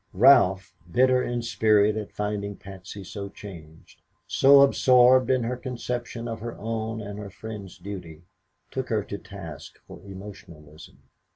Ralph, bitter in spirit at finding Patsy so changed, so absorbed in her conception of her own and her friends' duty, took her to task for emotionalism.